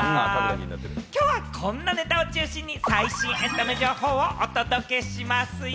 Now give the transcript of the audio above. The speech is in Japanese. きょうはこんなネタを中心に最新エンタメ情報をお届けしますよ。